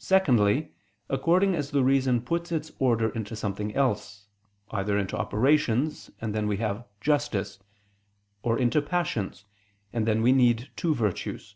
Secondly, according as the reason puts its order into something else; either into operations, and then we have "Justice"; or into passions, and then we need two virtues.